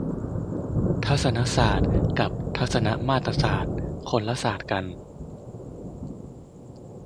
ทัศนศาสตร์ กับทัศนมาตรศาสตร์ คนละศาสตร์กัน